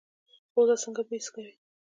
پوزه څنګه بوی حس کوي؟